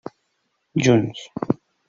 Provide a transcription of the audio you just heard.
Junts.